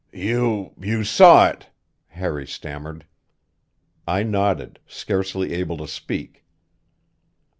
"You you saw it " Harry stammered. I nodded, scarcely able to speak.